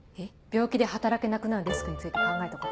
病気で働けなくなるリスクについて考えたことは？